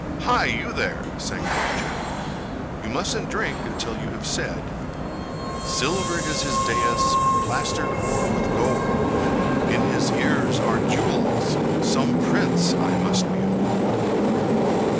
"Hi! you there!" sang out the Jackal; "you mustn't drink until you have said— 'Silver is his dais, plastered o'er with gold; In his ears are jewels,—some prince I must behold!